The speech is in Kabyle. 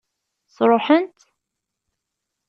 Sṛuḥen-tt?